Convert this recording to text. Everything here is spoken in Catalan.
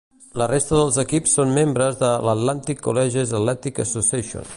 La resta dels equips són membres de l'Atlantic Colleges Athletic Association.